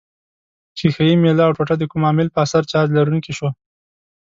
ښيښه یي میله او ټوټه د کوم عامل په اثر چارج لرونکې شوه؟